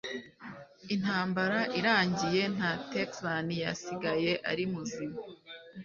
Intambara irangiye, nta Texan yasigaye ari muzima.